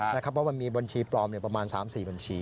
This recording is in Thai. เพราะมันมีบัญชีปลอมประมาณ๓๔บัญชี